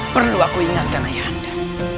perlu aku ingatkan ayah anda